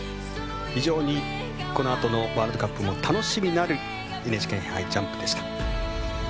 非常に、このあとのワールドカップも楽しみになるＮＨＫ杯ジャンプでした。